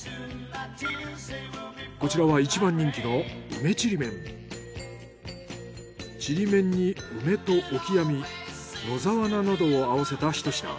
こちらはいちばん人気のちりめんに梅とオキアミ野沢菜などを合わせたひと品。